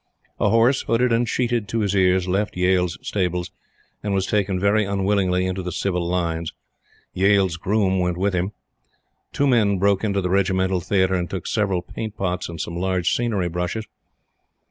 A horse, hooded and sheeted to his ears, left Yale's stables and was taken, very unwillingly, into the Civil Lines. Yale's groom went with him. Two men broke into the Regimental Theatre and took several paint pots and some large scenery brushes.